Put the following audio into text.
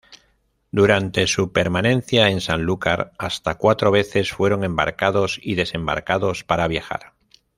Durante su permanencia en Sanlúcar, hasta cuatro veces fueron embarcados y desembarcados para viajar.